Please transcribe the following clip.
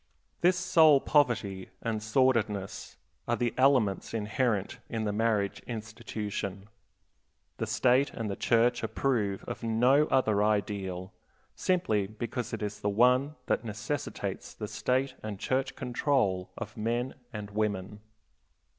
This soul poverty and sordidness are the elements inherent in the marriage institution. The State and the Church approve of no other ideal, simply because it is the one that necessitates the State and Church control of men and women.